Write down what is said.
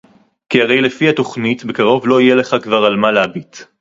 כִּי הֲרֵי, לְפִי הַתָוכְנִית, בַּקָרוֹב לֹא יִהְיֶה לְךָ כְּבָר עַל מָה לְהַבִּיט